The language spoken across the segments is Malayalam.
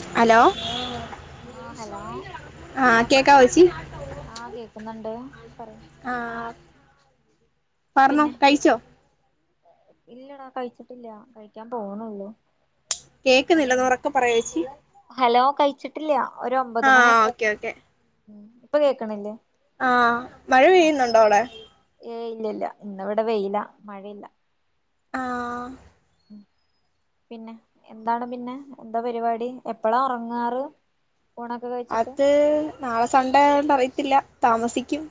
ഹലോ ആ ഹലോ ആ പറയ് കേക്കാവോ ചേച്ചി ആ കേക്കുന്നുണ്ട് പറയാ [unintelligible] ആ പറന്നോ പിന്നെ കഴിച്ചോ ഇല്ലടാ കഴിച്ചിട്ടില്ല കഴിക്കാൻ പോണുള്ളു കേക്കുന്നില്ലന്ന് ഉറൊക്കെ പറയാ ചച്ചി ഹലോ കഴിച്ചിട്ടില്ല ഒരു ഒമ്പത് ആഹ് മണിയൊക്കെ ഓക്കെ ഓക്കെ ഇപ്പൊ കേൾക്കണില്ലേ? ആഹ് മഴ പെയ്യുന്നുണ്ടോ അവിടെ? ഏയ് ഇല്ലല്ലാ ഇന്നിവിടെ വെയില മഴയില്ല. ആഹ് പിന്നെ എന്താണ് പിന്നെ എന്താ പരിപാടി എപ്പഴാ ഉറങ്ങാറ്? ഊണൊക്കെ കഴിച്ചിട്ട് അത് നാളെ സൺഡേ ആയതുകൊണ്ട് അറിയത്തില്ല. താമസിക്കും.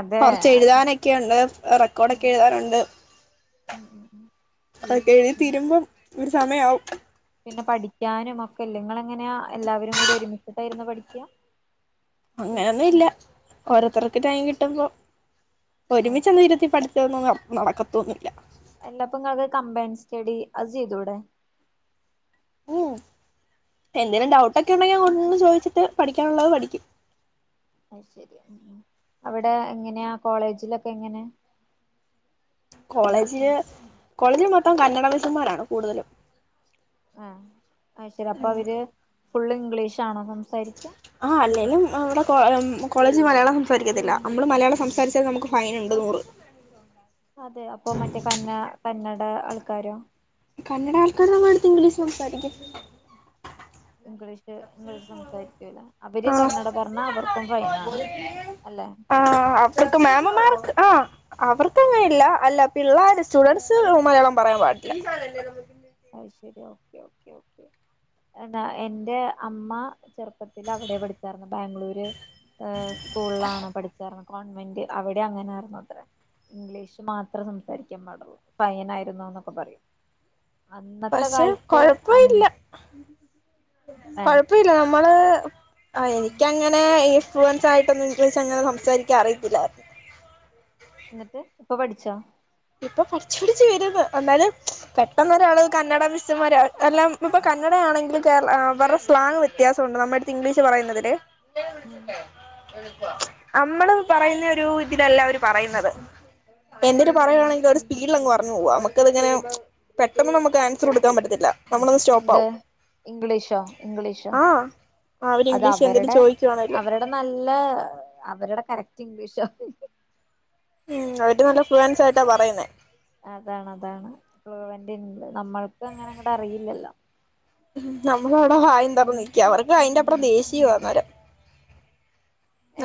അതെ കുറച്ച് എഴുതാനൊക്കെയുണ്ട്, ഉം റെക്കോഡൊക്കെ എഴുതാനുണ്ട്. ഉം ഉം ഉം അതൊക്കെ എഴുതി പിന്നെ തീരുമ്പം ഒരു സമയാവും. പിന്നെ പഠിക്കാനും ഒക്കെ ഇല്ലെ? ഇങ്ങളെങ്ങനെയാ എല്ലാവരും കൂടി ഒരുമിച്ചിട്ടായിരുന്നു പഠിക്കാ? അങ്ങനെയൊന്നും ഇല്ല, ഓരോരുത്തർക്ക് ടൈം കിട്ടുമ്പോ അത് ഒരുമിച്ചൊന്നും ശരി ഇരുത്തി പഠിത്തവൊന്നും നട നടക്കത്തൊന്നുല്ല. എന്നാപ്പങ്ങക്ക് കമ്പയ്ൻ സ്റ്റഡി അത് ചെയ്തൂടെ ഉം എന്തേലും ഡൗട്ടൊക്കെ ഉണ്ടെങ്കിൽ അങ്ങോട്ടു ചെന്ന് ചോദിച്ചിട്ട് പഠിക്കാനുള്ളത് പഠിക്കും അയ്ശെരി ഉം ഉം അവിടെ എങ്ങനെയാ കോളേജിലൊക്കെ എങ്ങനെ കോളേജില് കോളേജിൽ മൊത്തം കന്നഡ മിസ്സുമ്മാരാണ് കൂടുതലും. ആഹ് ആയ്ശരി അപ്പൊ അവര് ഫുൾ ഇംഗ്ലീഷ് ആ അല്ലേലും അവിടെ കോ മ് കോളേജിൽ മലയാളം സംസാരിക്കത്തില്ല, നമ്മള് മലയാളം സംസാരിച്ചാൽ നമുക്ക് ഫൈൻ ഉണ്ട് നൂറ്. അതെ അപ്പൊ മറ്റേ കന്ന കന്നട ഏഹ് ആൾക്കാരോ കന്നഡ ആൾക്കാരെ അടുത്ത് ഇംഗ്ലീഷ് സംസാരിക്കും. ഇംഗ്ലീഷില് ഇംഗ്ലീഷ് സംസാരിക്കൂല, അവര് ആ കന്നഡ പറഞ്ഞാ അവർക്കും ഫൈനാണ് അല്ലെ. ആഹ് അവർക്കങ്ങനെ ഇല്ല, അല്ല പിള്ളാര് സ്റ്റുഡന്റ്സ് മലയാളം പറയാൻ പാടില്ല. ശരി ഓക്കേ ഓക്കേ ഓക്കേ പിന്നാ എന്റെ അമ്മ ചെറുപ്പത്തിൽ അവിടെ പഠിച്ചാർന്നെ ബാംഗ്ലൂര്. ഏം സ്കൂളിലാണ് പഠിച്ചാർന്നത്. [unintelligible] അവിടെ അങ്ങനൊയിരുന്നു അത്രേ ഇംഗ്ലീഷ് മാത്രേ സംസാരിക്കാൻ പാടുള്ളൂ, ഫൈൻ ആയിരുന്നുന്നൊക്കെ പറയും. അന്നത്തെ പക്ഷെ കാലത്ത് അ കൊഴപ്പയില്ല ഏ കൊഴപ്പയില്ല നമ്മള് ആ ആ ഉം എനിക്കങ്ങനെ ഈ ഫ്ലുവൻസ് ആയിട്ടൊന്നും ഇംഗ്ലീഷ് അങ്ങനെ സംസാരിക്കാൻ അറിയില്ലായിരുന്നു എന്നിട്ട് ഇപ്പൊ പഠിച്ചോ ഇപ്പൊ പഠിച്ച് പഠിച്ച് വരുന്ന് എന്നാലും പെട്ടെന്ന് ഒരാള് കന്നഡ മിസ്സമാര് എല്ലാം ഇപ്പൊ കന്നഡ ആണെങ്കിൽ കേ അവരുടെ സ്ലാങ് വ്യത്യാസംണ്ട് നമ്മുടെ അടുത്ത് ഇംഗ്ലീഷ് പറയുന്നതില് ആ നമ്മള് പറയുന്ന ഒരു ഇതിലല്ല അവര് പറയുന്നത് എ പറയയാണെങ്കിൽ ഒരു സ്പീഡിൽ അങ് പറഞ്ഞു പോകുവാ നമുക്കതിങ്ങനെ പെട്ടെന്ന് നമുക്ക് ആൻസർ കൊടുക്കാൻ പറ്റത്തില്ല നമ്മളൊന്ന് സ്റ്റോപ്പ് എന്ത് ആവും ഇംഗ്ലീഷോ ഇംഗ്ലീഷോ ആഹ് അവര് അത് ഇംഗ്ലീഷ് എന്തേലും അവരുടെ ചോദിക്കുവാണേല് അവരുടെ നല്ല അവരുടെ കറക്റ്റ് ഇംഗ്ലീഷാ ഉം അവര് നല്ല ഫ്ലുവൻസ് ആയിട്ടാ പറയുന്നേ അതാണ് അതാണ് ഫ്ലൂവന്റ് നമ്മൾക്ക് അങ്ങനെ അങ്ങടെ അറിയില്ലല്ലോ നമ്മള അവിടെ വായും തുറന്ന് നിൽക്കും അവർക്ക് അയിന്റെ അപ്പറം ദേഷ്യവാ അന്നേരം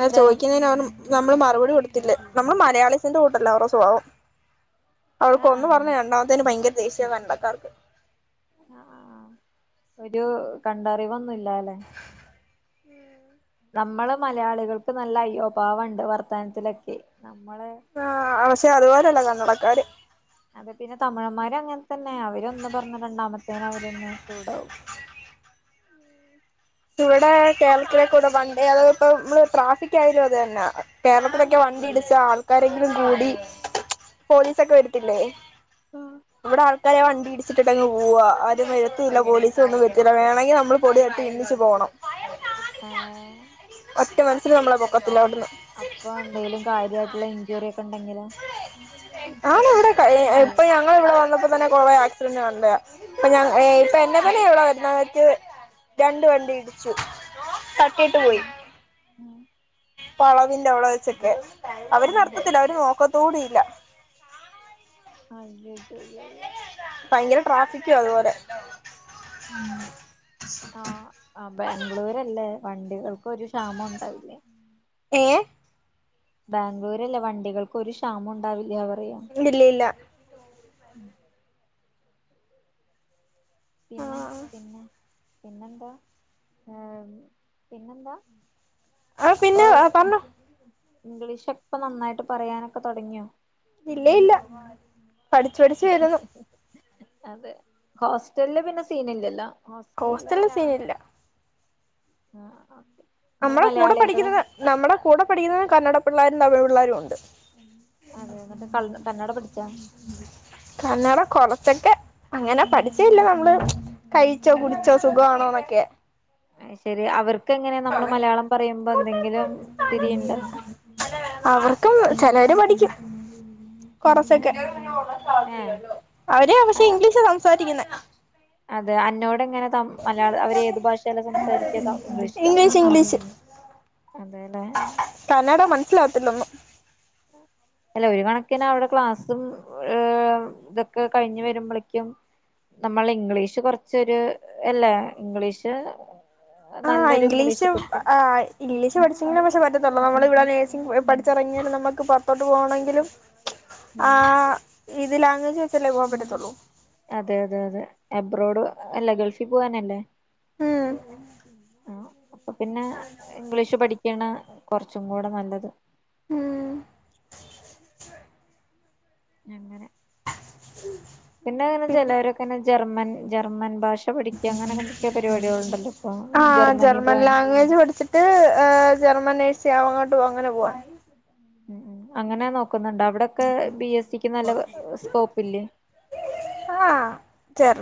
അ ചോദിക്കുന്നതിന് നമ്മള് മറുപടി കൊടുത്തില്ലേ നമ്മള് മലയാളീസിന്റെ കൂട്ടല്ല അവര സ്വഭാവം ആ ആ അവർക്ക്ഒന്ന് പറഞ്ഞ രണ്ടാമത്തേന് ഭയങ്കര ദേഷ്യ കണ്ടക്കാർക്ക് ആ ഒരു കണ്ടറിവൊന്നുംല്ല അല്ലെ ഉം നമ്മള് മലയാളികൾക്ക് നല്ല അയ്യോഭാവുണ്ട് വർത്താനത്തിലൊക്കെ നമ്മളെ ആ പക്ഷെ അതുപോലെയല്ല കണ്ണടക്കാര് അത പിന്നെ തമിഴന്മാരും അങ്ങനെ തന്നെ അവര് ഒന്ന് പറഞ്ഞ രണ്ടാമത്തേന അവരന്ന് ചൂടാവ ഇവിടെ കേരളത്തിലേക്കൂടെ വണ്ടി അത ഇപ്പ നമ്മള് ട്രാഫിക് ആയാലും അത് തന്നെ കേരളത്തിലൊക്കെ വണ്ടി ഇടിച്ച ആൾക്കാരെങ്കിലും കൂടി പോലീസൊക്കെ വരത്തില്ലേ ഇവിടെ ആൾക്കാരെ വണ്ടി ഇടിച്ചിട്ടിട്ടെങ്ങ് പോവാ അവരും വരുത്തില്ല പോലീസ് ഒന്നും വരുത്തില്ല വേണമെങ്കിൽ നമ്മൾ പൊടിതട്ടി എണീച്ച് പോണം ആ ഒറ്റ മനുഷ്യര് നമ്മള പൊക്കത്തില്ല അവിടുന്ന് അപ്പൊ എന്തേലും കാര്യമായിട്ടുള്ള ഇഞ്ചുറി ഉണ്ടെങ്കിലോ ആ ഇവിടെ ഇപ്പൊ ഞങ്ങ ഇവിടെ വന്നപ്പോ തന്നെ കൊറ ആക്സിഡന്റ് കണ്ടത ഇപ്പൊ ഞ ഇപ്പൊ എ കനെയ ഇടെ വരുന്ന് രണ്ട വണ്ടി ഇടിച്ചു തട്ടിട്ട് പോയി വളവിന്റെ അവിടെ വെചൊക്കെ അവര് നിർത്തത്തില്ല അവര് നോക്ക തൂടില്ല അയ്യ യ്യ യ്യ യ്യോ [unintelligible] തുപോലെ ആ ആ ബാംഗ്ലൂരല്ലേ വണ്ടികൾക്ക് ഒരു ക്ഷാമവും ഉണ്ടാവില്ല ഏ ബാംഗ്ലൂര് അല്ലേ വണ്ടികൾക്ക് ഒരു ക്ഷാമം ഉണ്ടാവില്ല പറയാ ഇല്ലി ല്ല ഇല്ലാ ആ പിന്ന പിന്നെ പിന്നെന്താ ഏപിന്നെന്താ ആ പിന്നെ പറഞ്ഞു ഇംഗ്ലീഷിപ്പോ പ നന്നായിട്ട് പറയാനൊക്കെ തുടങ്ങിയോ ഇല്ലേ ഇല്ല പഠിച്ചു പഠിച്ചു വരുന്നു അതെ ഹോസ്റ്റൽ പിന്നെ സീൻ ഇല്ലല്ലോ ഹോസ്റ്റലിൽ സീനില്ല. ആ ആ നമ്മളെ കൂടെ പഠിക്കുന്നത് നമ്മളെ കൂടെ പഠിക്കുന്നത് ക പിള്ളേരും തമിഴ് പിള്ളരും ഉണ്ട്. അതെ എന്നിട്ട് ക കന്നട പഠിച്ചാ കന്നഡ കൊറച്ചൊക്കെ അങ്ങനെ പഠിച്ചില്ല നമ്മള് കഴിച്ചോ കുടിച്ചോ സുഖണോന്നൊക്കെ ശരി അവർ തിരിയുണ്ടോ അവർക്കും ച പഠിക്കും കൊറച്ചൊക്കെ ഏഹ് അവര് പക്ഷെ ഇംഗ്ലീഷ് സംസാരിക്കുന്നെ ആ അതെ അന്നോട് ങ്ങനെ ത മലയാളം അവര് ഏത് ഭാഷേല സംസാരിക്കാ ത ഇംഗ്ലീഷിലോ ഇംഗ്ലീഷ് ഇംഗ്ലീഷ് അതെ ല്ലേ സ്സിലാവാത്തില്ല ഒന്നും അല്ല ഒരു കണക്കിന് അവിടെ ക്ലാസ്സും ഏ ഇതൊക്കെ കഴിഞ്ഞു വരുമ്പോളേക്കും നമ്മൾ ഇംഗ്ലീഷ് കൊറച്ചൊരു ല്ലേ ഇംഗ്ലീഷ് ആഹ് നല്ലൊരു ഇംഗ്ലീഷ് കിട്ടും ആ ഇംഗ്ലീഷ് പഠിച്ചെങ്കിലെ പക്ഷെ ല്ല നമ്മള് ഇവിടെ നേഴ്സിങ്‌ പഠിച്ചിറങ്ങിയാലും നമുക്ക് പോറത്തോട്ട് പോണെങ്കിലും ആ ഉം ഇത് ലാംഗ്വേജ് വെച്ചല്ലേ പോവാൻ പറ്റത്തോള്ളൂ അതെ അതെ അതെ എബ്രോഡ് അല്ല ഗൾഫിൽ പോവാനല്ലേ ഉം ആ അപ്പ പിന്നെ ഇംഗ്ലീഷ് പഠിക്കണ് കൊർച്ചും കൂടെ നല്ലത് ഉം [unintelligible] പിന്നെ അങ്ങനെ ചെലോര്ക്കങ്ങനെ ജർമ്മൻ ജർമ്മൻ ഭ ഇപ്പൊ ആ ജർമ്മനി ജർമൻ പോവാൻ ലാകേജ് പഠിച്ച്ട്ട് ഹേ ജർമൻ നേ ശേ അങ്ങോട്ട് പോ അങ്ങനെ പോവാ ഉം ഉം അങ്ങനെ നോക് ക്കുന്ന്ണ്ട് അവിടൊക്കെ ബി. എ. സിക്ക് നല്ല സ്കോപ്പ് ഇല്ലേ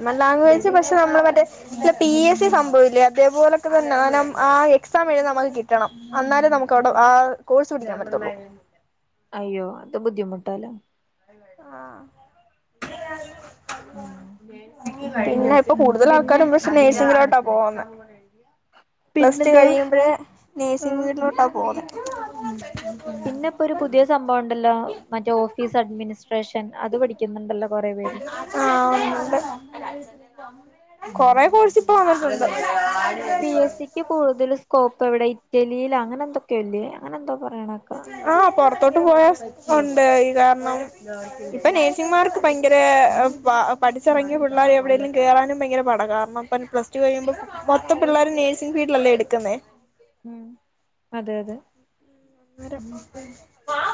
ന ലാംഗ്വേജ് പക്ഷെ നമ്മള് മറ്റേ പി. എ. സി. സംഭവല്ലേ അതേ പോലൊക്കെ തന്നെ അനം ആ എക്സാം എയുതം അത് കിട്ടണം അന്നാലേ നമുക്ക് അവിടെ ആ കോഴ്സ് [unintelligible] അയ്യോ അത് ബുദ്ധിമുട്ടലോ ആ അ ഉം വ ഇപ്പ കൂടുത പിന്നെ ആൾക്കാരും സ്നേശങ്ങളോട്ട പോന്ന പ്ലസ് ടു പിന്നെന്താ കഴിയുമ്പഴേ നേഴ്സിംഗ ആഹ് ഫിൽഡിലോട്ട പോന്നെ [inaudible] പിന്നെ ഇപ്പോ ഒരു പുതിയ സംഭവം ഉണ്ടല്ലോ മറ്റേ ഓഫീസ് അഡ്മിനിസ്ട്രേഷൻ ൻ അത് പഠിക്കുന്നുണ്ടല്ലോ കൊറെ പേര് ആഹ് ഉണ്ട് കൊറെ കോഴ്സ് ഇപ്പ ആവുനുണ്ട് പിന്നെ ബി എസ് സിക്ക് കൂടുതൽ സ്കോപ്പ് ആവിടെ ഇറ്റലിയിൽ അങ്ങനെ എന്തൊക്കെയല്ലേ അങ്ങനെന്തോ ആ പുറത്തോട്ട പോയാ ഉണ്ട് ഈ കാരണം ഇപ്പ ഉം നഴ്സിങ്മാർക്ക് ഭ ഭയങ്കര പഠിച്ചിറങ്ങിയ പിള്ളേർ എവിടെങ്കലും കേറാനും ഭയങ്കര പട കാരണം പ്ലസ് ടു കഴിയുമ്പോൾ മൊത്തം പിള്ളേർ നേഴ്സിംഗ ഫീൽഡിലല്ലേ എടുക്കുന്നേ ഉം അതെ അതെ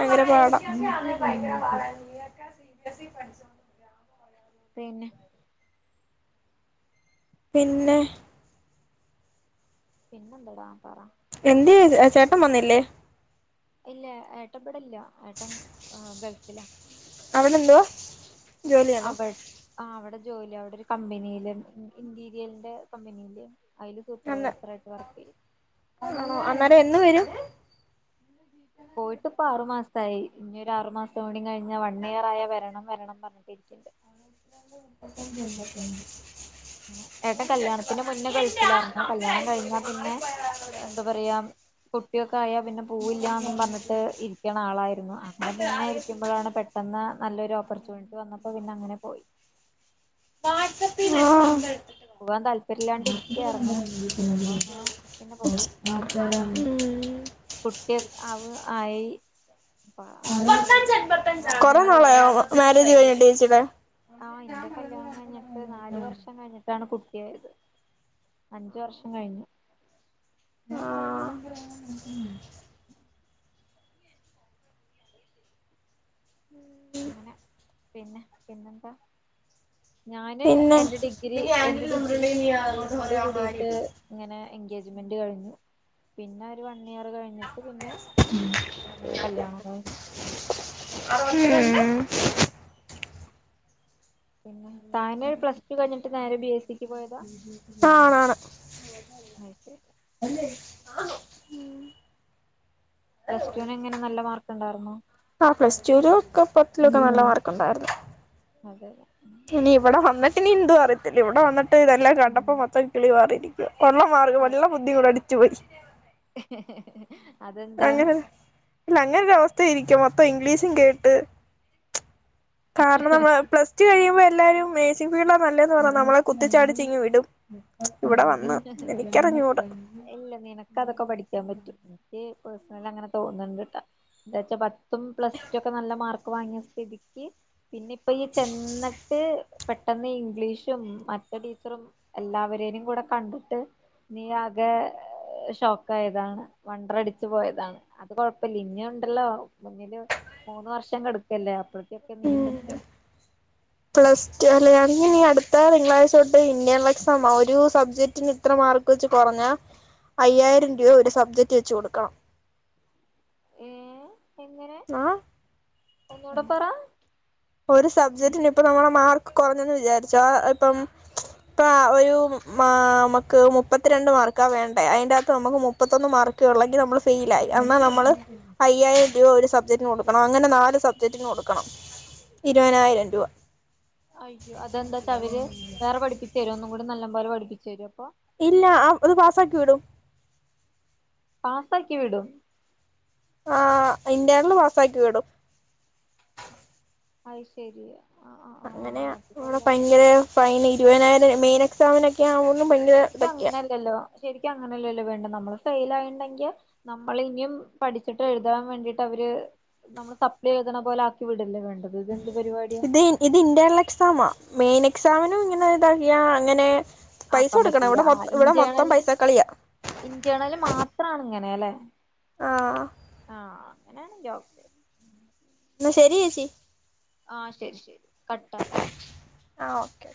അര ഭയകാരാ പാട [inaudible] പിന്നെ പിന്നെ പിന്നെന്തോടാ പറ എന്ന്ത്യ ചേട്ടൻ വന്നില്ലേ ഇല്ല ഏട്ടൻ ഇവിടില്ല ഏട്ടൻ ഗേൾ ഫില അവിടെ എന്തുവാ ജോലിയാണോ അവിട് ആവിടെ ജോലി അവിടെ ഒരു കമ്പനിയില് ഇന്റീരിയറിന്റെ കമ്പനിയില് അയില് അന്ന് സൂപ്പർവൈസർ ആയിട്ട് വർക്ക് ചെയ ആണോ അന്നേരം എന്ന് വരും പോയിട്ട് ഇപ്പ ആറു മാസായി ഇനി ഒരു ആറു മാസം കൂടി കഴിഞ്ഞ വൺ ഇയർ ആയ വരണം വരണം പറഞ്ഞിട്ടിരിക്കണ്ട് [inaudible] ഏട്ടാൻ കല്യാണത്തിന്റെ മുന്നേ ഗൾഫിലരുന്നു കല്യാണം കഴിഞ്ഞാ പിന്നെ എന്താ പറയാ കുട്ടിയൊക്കെ ആയാ പിന്നെ പൂവില്ലാ നും പറഞ്ഞിട്ട് ഇരിക്കണ ആളായിരുന്നു അങ്ങനെ പിന്നെ ഇരിക്കുമ്പോഴാണ് പെട്ടെന്ന് നല്ലൊരു ഓപ്പർച്യൂണിറ്റി വന്നപ്പോ പിന്നെ അങ്ങനെ പോയി വാട്സആപ്പിൽ [inaudible] പോവാൻ താല്പര്യം ഇല്ലാണ്ട് ഇരിക്കയായിരുന്നു അപ്പൊ അങ്ങനെ പിന്നെ പോയി കുട്ടി അവ് ആയി അപ്പ അങ്ങനെ പോയി വൺ കുറേ ഇയർ ആയ നാളായോ മാരേജ് കഴിഞ്ഞിട്ട് [unintelligible] ആ ഇന്റെ കല്യാണം കഴിഞ്ട്ട് നാല് വർഷം കഴിഞ്ഞിട്ടാണ് കു ഏത് അഞ്ച് വർഷം കഴിഞ്ഞു ആഹ് ഉം അങ്ങനെ പിന്നെ പിന്നെന്താ ഞാന് പിന്നെ എന്റെ ഡിഗ്രി എന്റെ ഡിഗ്രി കഴിയുന്നോട് കൂടിയിട്ട് ഇങ്ങനെ എൻഗേജ്മെന്റ് കഴിഞ്ഞു പിന്നെ ഒരു വ അങ്ങനെ കല്യാണം കഴിഞ്ഞു ഉം [unintelligible] പിന്നെ താന്പ്ലസ്ടു കഴിഞ്ഞിട്ട് നേരെ ബി എസ് സിക്ക് പോയതാ ആണാണ് പ്ലസ്റ്റുനെങ്ങനെ നല്ല മാർക്ക് ഇ ണ്ടാർന്നോ റ്റുലൊക്കെ നല്ല മാർക്ക്ണ്ടാർന്നു അതെ ഇനി ഇവടെ വന്നിട്ട്നി ണ്ടോ അറിയത്തില്ല ഇവടെ വന്നിട്ട് ഇതല്ലാം കണ്ടപ്പം മൊത്തം കിളി പാറിയിരിക്ക കൊള്ള മാർഗം വല്ല ബുദ്ധി [unintelligible] ചുവച്ച് അതെന്താ അങ്ങനെ ഇല്ല അങ്ങനൊരവസ്ഥ ത്തി ഇരിക്കും മൊത്തം ഇംഗ്ലീഷും കേട്ട് കാരണം നമ്മ പ്ലസ്റ്റു കഴിയുമ്പേ എല്ലാരും മേസി ഫീൽടാണ് നല്ലത് ന്ന് പറഞ്ഞ നമ്മളെ കുത്തിച്ചാടിച്ചിങ്ങ് വിടും ഇവിടെ വന്ന് എനിക്കറിഞ്ഞൂടാ ഇല്ല നിനക്കതൊക്കെ പഠിക്കാൻ പറ്റും ഈ പേസ് ന്നാലും അങ്ങനെ തോന്ന്ണ് ണ്ട് ട്ടോ ന്ന് വച്ചാ പ പ്പം പ്ലസ്റ്റ്റ്റു ഒക്കെ നല്ല മാർ ക്കൊ വാങ്ങിയ സ്ഥിതിക്ക് പിന്നെ പ്പെ യ്യ് ചെന്നിട്ട് പെട്ടെന്ന് ഇംഗ്ലീഷും മറ്റ ടീച്ചറും എല്ലാവരേനിം കൂടെ കണ്ടുട്ട് നീ ആകെ ഷോക്കായതാണ് വണ്ട്രടിച്ചു പോയതാണ് അത് കൊഴപ്പല്ലേ ഇനി ഒണ്ടല്ലോ മുന്നില് മൂന്ന് വർഷം കടക്കല്ലേ അപ്പോഴ യൊക്കെ നീ സെറ്റവും പ്ലസ്റ്റ്റ്റു അല്ല ഞ്ഞി നീ അടുത്ത തിങ്കളാഴ്ച തൊട്ട് ഇന്റെണൽ എക്സാം ഒരു സബ്ജക്ടിന് ഇത്ര മാർക്ക് വെച്ച് കൊറഞ്ഞാ അയ്യായിരം രൂപ ഒരു സബ്ജക്ട് വെച്ച് കൊടുക്കണം ഏ എങ്ങനെ ന്നാ ഒന്നൂടെ പറ ഒരു സബ്ജക്റ്റിന് ഇപ്പൊ നമ്മടെ മാർക്ക് കുറഞ്ഞെന്ന് വിചാരിച്ചൊ ഇപ്പം ഇപ്പാ ഒരു മാ മ്മക്ക് മുപ്പത്തിരണ്ട് മാർക്കാ വേണ്ടേ അയിന്റകത്ത് നമുക്ക് മുപ്പത്തൊന്ന് മാർക്ക് ഉള്ളെങ്കി നമ്മള് ഫൈൽ ആയി എന്നാൽ നമ്മള് അയ്യായിരം രൂപ ഒരു സബ്ജക്ടിന് കൊടുക്കണം അങ്ങനെ നാല് സബ്ജക്ടിന് കൊടുക്കണം. ഇരുപതിനായിരം രൂപ അയ്യോ അതെന്താച്ചാ അവര് വേറെ പഠിപ്പിക്ക തരോ ഒന്നും കൂടെ നല്ലം പോലെ പഠിപ്പിച്ചു തരോ അപ്പൊ ഇല്ല ആ അത് പാസ്സ ആക്കി വിടും പാസാക്കി വിടും ആ ഇന്റെർണൽ പാസാക്കി വിടും അത് ശരി ആ ആ ആ അങ്ങനെയ അത് നമ്മടെ കൊള്ളാലോ ഭയങ്കര ഫൈൻ ഇരുപതിനായിരം മെയിൻ എക്സമിനൊക്കെ ആകോ ഭയങ്കര ശരിക്കും ഇതക്കെയാ അങ്ങനെയല്ലല്ലോ ശരിക്കും അങ്ങനെയല്ലല്ലോ വേണ്ട നമ്മള് ഫൈൽ ആയിണ്ടെങ്കിൽ നമ്മള് ഇനിയും പഠിച്ചിട്ട് എഴുതാൻ വേണ്ടിയിട്ട് അവര് നമ്മള് സപ്ലൈ എഴുതണ പോലെ ആക്കി വിടല്ലേ വേണ്ടെ ഇത് ഇത് ഇന്റൽ എക്സാ മെയിനെ എക്സാമിനും ഇങ്ങനെ ഇതറിയുക അങ്ങനെ പൈസ ആക്കാൻ കൊടുക്കണം പറ്റില്ല ഇവിടെ ആ മൊത്തം ഇവിടെ മൊത്തം ഇന്റേർണൽ പൈസ കളിയാ ഇന്റേർണല് മാത്രാണ്ങ്ങന മേലെ ആ ആ [unintelligible] എന്ന ശരി ചേച്ചി ആ ശരി ശരി കട്ട ആ ഓക്കെ ഓക്കെ